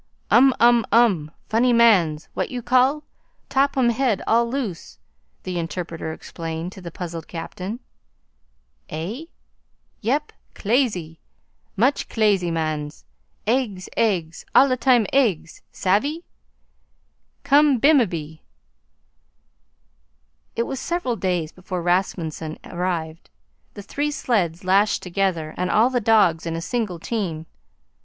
"Um um um funny mans what you call? top um head all loose," the interpreter explained to the puzzled captain. "Eh? Yep, clazy, much clazy mans. Eggs, eggs, all a time eggs savvy? Come bime by." It was several days before Rasmunsen arrived, the three sleds lashed together, and all the dogs in a single team.